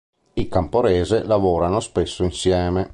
I Camporese lavorarono spesso insieme.